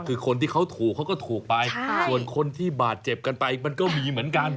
คือคนที่เขาถูกเขาก็ถูกไปส่วนคนที่บาดเจ็บกันไปมันก็มีเหมือนกัน